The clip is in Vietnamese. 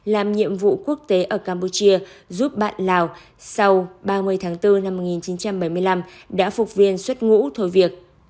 làm nhiệm vụ quốc tế ở campuchia giúp bạn lào sau ba mươi tháng bốn năm một nghìn chín trăm bảy mươi năm đã phục viên xuất ngũ thôi việc